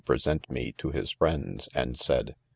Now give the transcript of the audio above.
present me to his friends, 'and said